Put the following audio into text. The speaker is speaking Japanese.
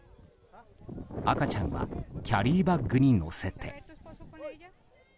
赤ちゃんはキャリーバッグに乗せて。